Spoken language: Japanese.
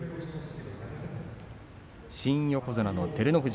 新横綱照ノ富士